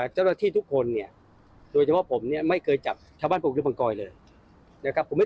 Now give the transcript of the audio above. เจ้าหน้าที่ทำงานทุกคนเนี่ย